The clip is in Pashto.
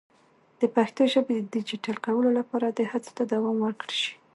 د پښتو ژبې د ډیجیټل کولو لپاره دې هڅو ته دوام ورکړل شي.